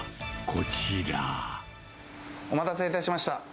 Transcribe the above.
お待たせいたしました。